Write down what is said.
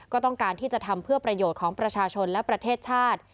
ก็ต้องการที่จะทำเพื่อประโยชน์ของประชาชนและประเทศชาติ